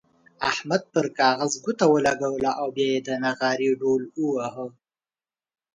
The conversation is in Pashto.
احمد پر کاغذ ګوته ولګوله او بيا يې د نغارې ډوهل وواهه.